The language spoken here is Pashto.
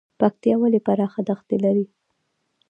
پکتیکا ولې پراخه دښتې لري؟